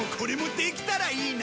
「できたらいいな」